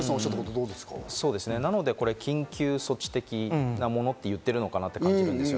なので、緊急措置的なものと言ってるのかなと感じます。